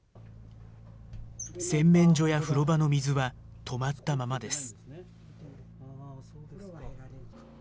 洗面所や風呂場の水は止まったままです。